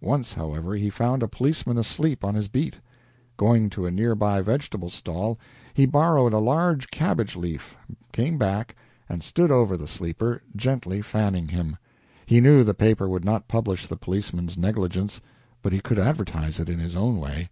Once, however, he found a policeman asleep on his beat. Going to a near by vegetable stall, he borrowed a large cabbage leaf, came back, and stood over the sleeper, gently fanning him. He knew the paper would not publish the policeman's negligence, but he could advertise it in his own way.